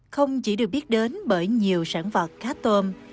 không chỉ được biết đến bởi nhiều sản vật khá tôm